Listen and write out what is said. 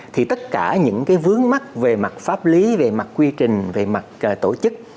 thì tất cả những cái vướng mắt về mặt pháp lý về mặt quy trình về mặt tổ chức